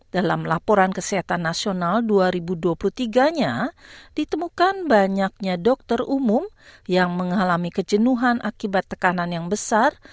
dalam laporan kesehatan nasional dua ribu dua puluh tiga nya ditemukan banyaknya dokter umum yang mengalami kejenuhan akibat tekanan yang besar